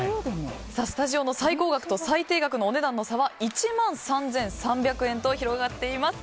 スタジオの最高額と最低額のお値段の差は１万３３００円と広がっています。